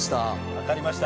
わかりました。